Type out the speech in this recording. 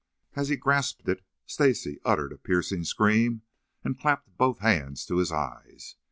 As he grasped it, Stacy uttered a piercing scream and clapped both hands to his eyes.